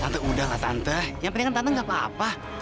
tante udah gak tante yang penting kan tante gak apa apa